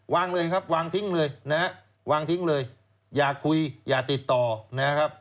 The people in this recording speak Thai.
วางเลยครับวางทิ้งเลยนะฮะวางทิ้งเลยอย่าคุยอย่าติดต่อนะครับ